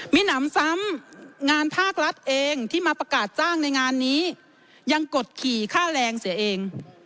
มีหนำซ้ำงานภาครัฐเองที่มาประกาศจ้างในงานนี้ยังกดขี่ค่าแรงเสียเอง